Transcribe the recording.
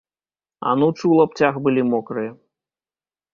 Анучы ў лапцях былі мокрыя.